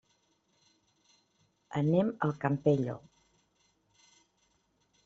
Anem al Campello.